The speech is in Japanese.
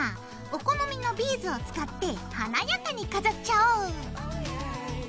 お好みのビーズを使って華やかに飾っちゃおう。